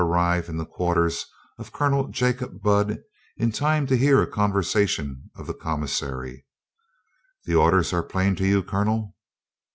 arrive in the quarters of Colonel Jacob Budd in time to hear a conversation of the commissary. "The orders are plain to you, Colonel?"